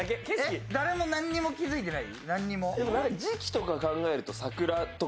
誰も何も気づいてない？